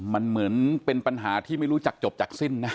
มันเหมือนเป็นปัญหาที่ไม่รู้จักจบจากสิ้นนะ